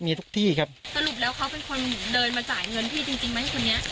มีทุกที่ครับสรุปแล้วเขาเป็นคนเดินมาจ่ายเงินพี่จริงจริงไหมคนนี้